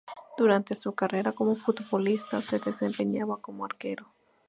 Durante su carrera como futbolista se desempeñaba como arquero.